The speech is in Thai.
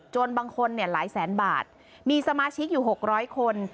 จนบางคนเนี่ยหลายแสนบาทมีสมาชิกอยู่หกร้อยคน